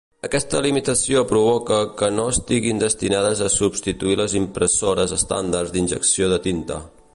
Aquesta limitació provoca que no estiguin destinades a substituir les impressores estàndards d'injecció de tinta.